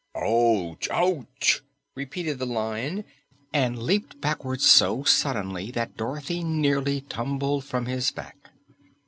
Ouch!" repeated the Lion and leaped backward so suddenly that Dorothy nearly tumbled from his back.